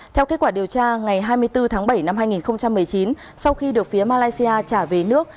theo kết quả điều tra ngày hai mươi bốn tháng bảy năm hai nghìn một mươi chín sau khi được phía malaysia trả về nước